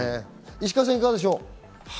石川さん、いかがでしょう？